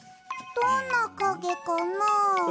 どんなかげかな？